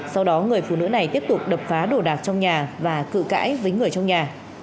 sau đó người phụ nữ này tiếp tục đập phá đồ đạc trong nhà và cự cãi với người trong nhà